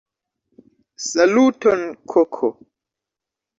Saluton koko!